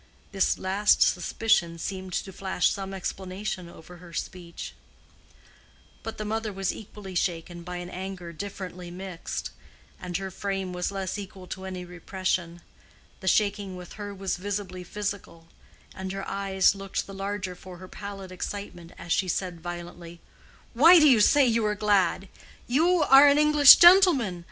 This last suspicion seemed to flash some explanation over her speech. But the mother was equally shaken by an anger differently mixed, and her frame was less equal to any repression. The shaking with her was visibly physical, and her eyes looked the larger for her pallid excitement as she said violently, "Why do you say you are glad? You are an English gentleman.